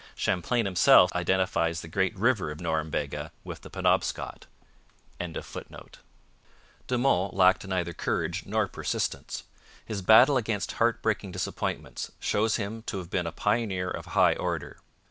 Champlain himself identifies 'the great river of Norumbega' with the Penobscot.] De Monts lacked neither courage nor persistence. His battle against heartbreaking disappointments shows him to have been a pioneer of high order.